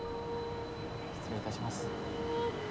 失礼いたします。